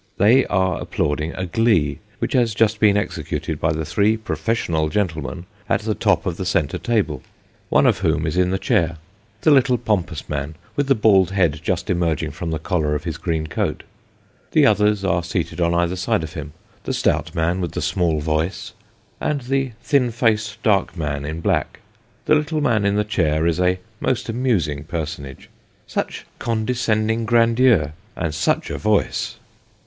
They are applauding a glee, which has just been executed by the three " professional gentlemen " at the top of the centre table, one of whom is in the chair the little pompous man with the bald head just emerging from the collar of his green coat. The others are seated on either side of him the stout man with the small voice, and the thin faced dark man in black. The little man in the chair is a most amusing personage, such condescending grandeur, and such a voice